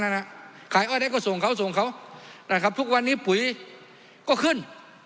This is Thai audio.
ขายอ้อยได้ก็ส่งเขาส่งเขานะครับทุกวันนี้ปุ๋ยก็ขึ้น